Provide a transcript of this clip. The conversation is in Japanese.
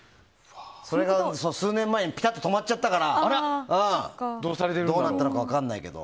それが数年前にピタッと止まっちゃったからどうなったのか分からないけど。